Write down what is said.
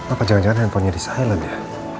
apa jangan jangan handphonenya di silent ya